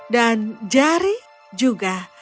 dan jari juga